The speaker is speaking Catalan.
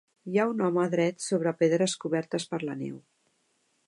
Hi ha un home dret sobre pedres cobertes per la neu.